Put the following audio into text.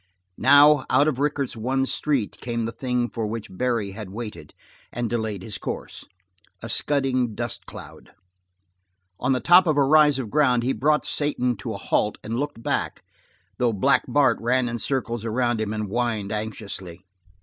Now, out of Rickett's one street, came the thing for which Barry had waited, and delayed his course a scudding dust cloud. On the top of a rise of ground he brought Satan to a halt and looked back, though Black Bart ran in a circle around him, and whined anxiously.